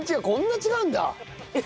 こんな違うんだ！